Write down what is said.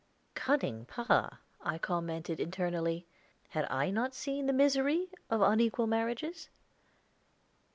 "Cunning pa," I commented internally. Had I not seen the misery of unequal marriages?